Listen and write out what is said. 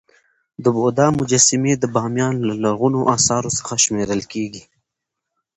د بودا مجسمي د بامیان له لرغونو اثارو څخه شمېرل کيږي.